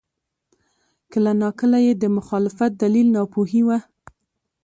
کله ناکله یې د مخالفت دلیل ناپوهي وه.